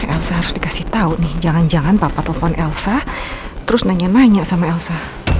elsa harus dikasih tahu nih jangan jangan papa telepon elsa terus nanya nanya sama elsa